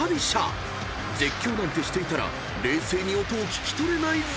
［絶叫なんてしていたら冷静に音を聞き取れないぞ］